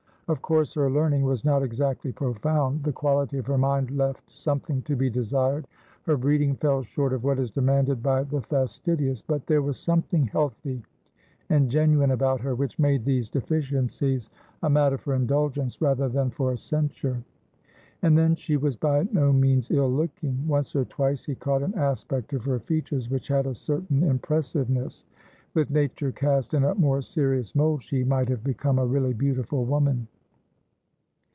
Of course her learning was not exactly profound; the quality of her mind left something to be desired; her breeding fell short of what is demanded by the fastidious; but there was something healthy and genuine about her, which made these deficiencies a matter for indulgence rather than for censure. And then, she was by no means ill looking. Once or twice he caught an aspect of her features which had a certain impressiveness; with nature cast in a more serious mould, she might have become a really beautiful woman.